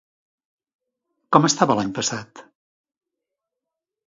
Com estava l'any passat?